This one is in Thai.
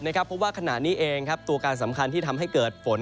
เพราะว่าขณะนี้เองตัวการสำคัญที่ทำให้เกิดฝน